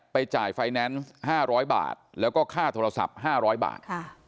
ไปจ่ายไฟแนนซ์ห้าร้อยบาทแล้วก็ค่าโทรศัพท์ห้าร้อยบาท